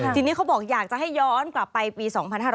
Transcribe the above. ทีนี้เขาบอกอยากจะให้ย้อนกลับไปปี๒๕๕๙